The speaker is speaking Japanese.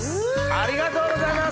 ありがとうございます！